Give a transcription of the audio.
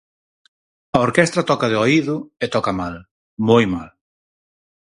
A orquestra toca de oído e toca mal, moi mal.